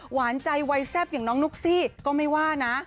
หวานใจวัยแซ่บอย่างน้องนุ๊กซี่ก็ไม่ว่านะ